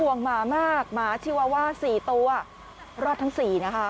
ห่วงหมามากหมาชีวาว่า๔ตัวรอดทั้งสี่นะคะ